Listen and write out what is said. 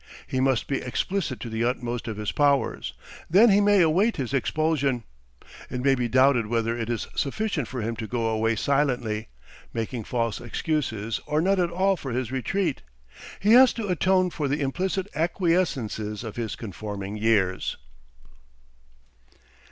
He must be explicit to the utmost of his powers. Then he may await his expulsion. It may be doubted whether it is sufficient for him to go away silently, making false excuses or none at all for his retreat. He has to atone for the implicit acquiescences of his conforming years.